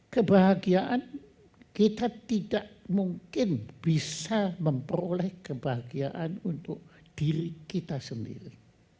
kebahagiaan kita tidak mungkin bisa memperoleh kebahagiaan untuk diri kita sendiri